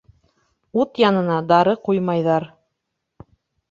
Ут янына дары ҡуймайҙар.